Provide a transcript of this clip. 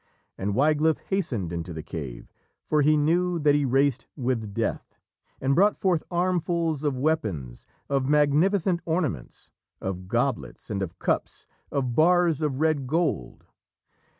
And Wiglaf hastened into the cave, for he knew that he raced with Death, and brought forth armfuls of weapons, of magnificent ornaments, of goblets and of cups, of bars of red gold.